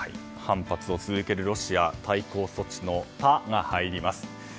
反発を続けるロシア対抗措置の「タ」が入ります。